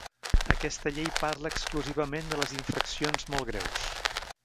Aquesta llei parla exclusivament de les infraccions molt greus.